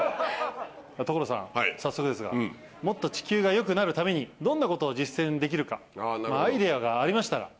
所さん、早速ですが、もっと地球がよくなるために、どんなことを実践できるか、アイデアがありましたら。